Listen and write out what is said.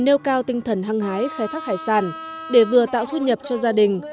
nêu cao tinh thần hăng hái khai thác hải sản để vừa tạo thu nhập cho gia đình